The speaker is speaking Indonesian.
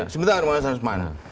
sebentar mas rasman